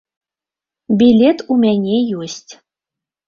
Білет ў мяне ёсць.